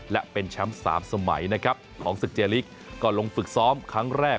และเป็นแชมป์๓สมัยนะครับของศึกเจลิกก็ลงฝึกซ้อมครั้งแรก